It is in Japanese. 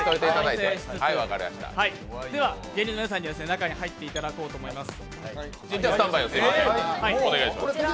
芸人の皆さんには中に入っていただこうと思います。